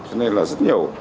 cho nên là rất nhiều